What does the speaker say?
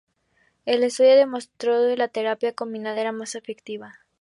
El estudio demostró que la terapia combinada era más efectiva.